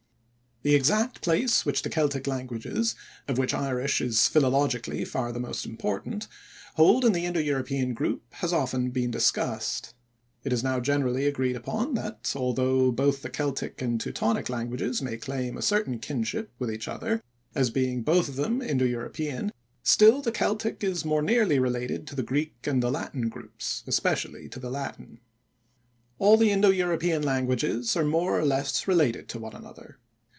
The exact place which the Celtic languages (of which Irish is philologically far the most important) hold in the Indo European group has often been discussed. It is now generally agreed upon that, although both the Celtic and Teutonic languages may claim a certain kinship with each other as being both of them Indo European, still the Celtic is much more nearly related to the Greek and the Latin groups, especially to the Latin. All the Indo European languages are more or less related to one another.